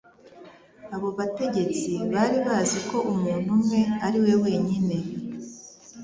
Abo bategetsi bari bazi ko Umuntu Umwe ari we wenyine